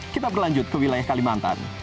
kita berlanjut ke wilayah kalimantan